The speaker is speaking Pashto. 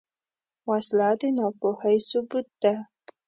وسله د ناپوهۍ ثبوت ده